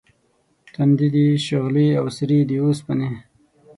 تُندې دي شغلې او سرې دي اوسپنې